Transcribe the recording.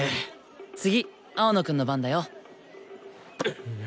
次青野くんの番だよ。